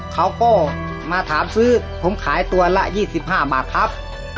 เขาก็มาถามซื้อผมขายตัวละยี่สิบห้าบาทครับ